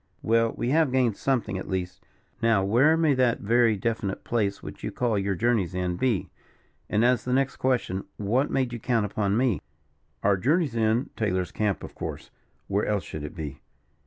"Well, we have gained something at least. Now where may that very definite place, which you call your journey's end, be? And, as the next question, what made you count upon me?" "Our journey's end Taylor's camp, of course where else should it be?"